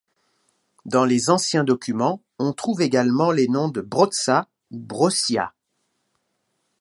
Dans les anciens documents on trouve également les noms de Brotza ou Brossia.